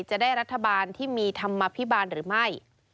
จะได้รัฐบาลที่มีธรรมภิบาลหรือไม่